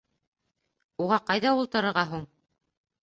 Уға ҡайҙа ултырырға һуң?..